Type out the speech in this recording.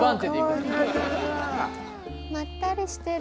まったりしてる。